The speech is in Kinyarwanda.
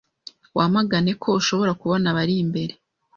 Wamagane ko ushobora kubona abari imbere